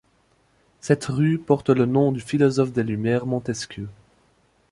Cette rue porte le nom du philosophe des Lumières Montesquieu.